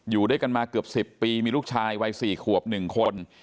อยู่ด้วยกันมาเกือบ๑๐ปีมีลูกชายวัย๔ขวบ๑คน